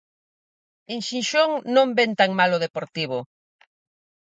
En Xixón non ven tan mal o Deportivo.